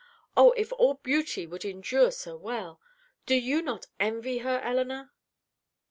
Oh, if all beauty would endure so well! Do you not envy her, Elinor?"